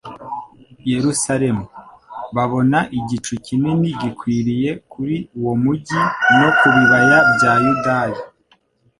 Yerusalemu, babona igicu kinini gikwiriye kuri uwo mujyi no mu bibaya bya Yudaya.